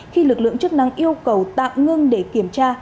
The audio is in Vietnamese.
khi lực lượng chức năng yêu cầu tạm ngưng để kiểm tra